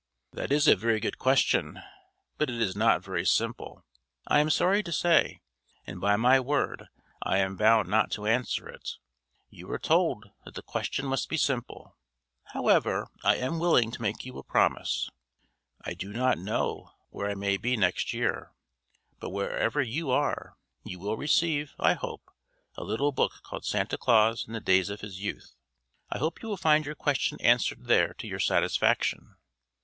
"That is a very good question, but it is not very simple, I am sorry to say; and by my word I am bound not to answer it; you were told that the question must be simple! However, I am willing to make you a promise: I do not know where I may be next year, but wherever you are, you will receive, I hope, a little book called Santa Claus in the Days of his Youth. I hope you will find your question answered there to your satisfaction.